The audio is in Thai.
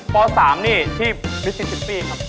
ป๓นี่ที่มิซินตี้ครับ